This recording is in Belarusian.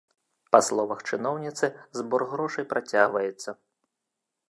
Па словах чыноўніцы, збор грошай працягваецца.